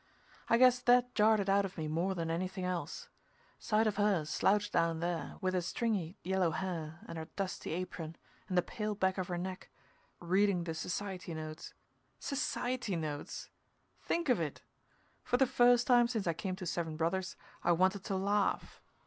I guess that jarred it out of me more than anything else sight of her slouched down there, with her stringy, yellow hair and her dusty apron and the pale back of her neck, reading the Society Notes. Society Notes! Think of it! For the first time since I came to Seven Brothers I wanted to laugh.